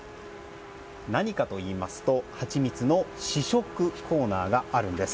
何かといいますとハチミツの試食コーナーがあるんです。